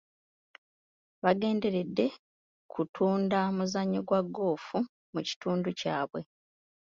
Baagenderedde kutunda muzannyo gwa goofu mu kitundu kyabwe.